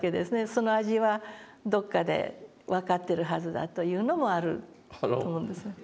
その味はどこかで分かってるはずだというのもあると思うんですね。